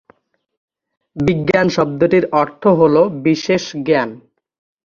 বিজ্ঞান শব্দটির অর্থ হল বিশেষ জ্ঞান।